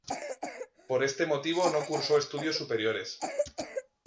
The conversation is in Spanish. Por ese motivo no cursó estudios superiores.